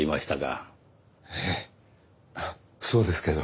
ええそうですけど。